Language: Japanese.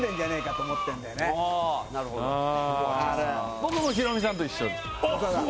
僕もヒロミさんと一緒です。